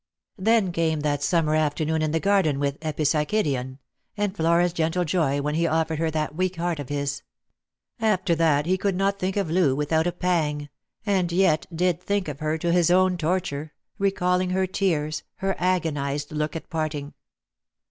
Then came that summer afternoon in the garden with 188 Lost for Love. " Epipsychidion," and Flora's gentle joy when he offered her that weak heart of his. After that he could not think of Loo without a pang — and yet did think of her to his own torture — recalling her tears, her agonized look at parting.